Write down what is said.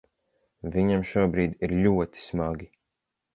Viņam šobrīd ir ļoti smagi.